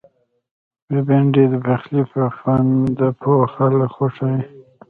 بېنډۍ د پخلي په خوند پوه خلک خوښوي